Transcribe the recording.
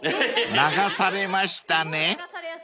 ［流されましたね］